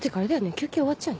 休憩終わっちゃうよね。